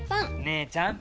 姉ちゃん！